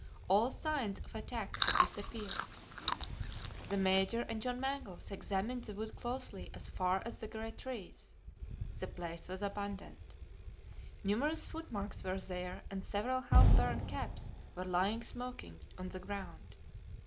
All signs of attack had disappeared. The Major and John Mangles examined the wood closely as far as the great trees; the place was abandoned. Numerous footmarks were there and several half burned caps were lying smoking on the ground.